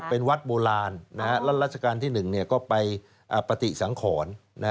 เป็นวัดโบราณแล้วราชการที่๑ก็ไปปฏิสังขร